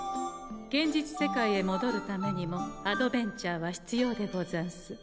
現実世界へもどるためにも「アドベン茶」は必要でござんす。